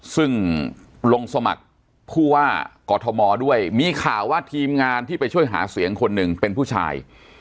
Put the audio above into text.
ซึ่งลงสมัครผู้ว่ากอทมด้วยมีข่าวว่าทีมงานที่ไปช่วยหาเสียงคนหนึ่งเป็นผู้ชาย